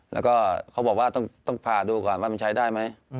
แล้วก็เขาบอกว่าต้องผ่าดูก่อนว่ามันใช้ได้ไหม